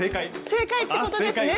正解ってことですね！